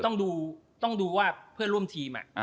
ก็คือต้องดูว่าเพื่อนร่วมทีมอะ